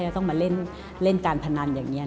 ต้องมาเล่นการพนันอย่างนี้